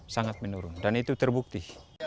sangat menurun dan itu terbukti